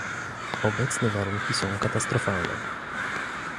Obecne warunki są katastrofalne